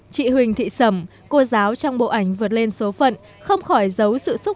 chị huỳnh thị sầm cô giáo trong bộ ảnh vượt lên số phận không khỏi giấu sự xúc động sen lẫn vui mừng